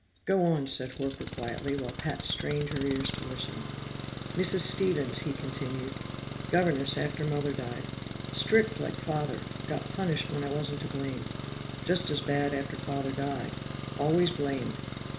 "Go on," said Horker quietly, while Pat strained her ears to listen. "Mrs. Stevens," he continued. "Governess after Mother died. Strict like Father, got punished when I wasn't to blame. Just as bad after Father died. Always blamed.